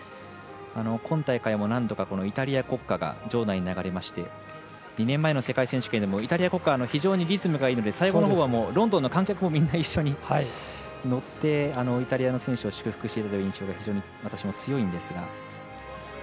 今大会も何度かイタリア国歌が場内に流れまして２年前の世界選手権ではイタリア国歌非常にリズムがいいのでロンドンの観客もみんなに乗ってイタリアの選手を祝福しているという印象が私も強いんですが。